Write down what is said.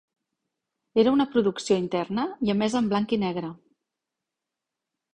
Era una producció interna i emesa en blanc i negre.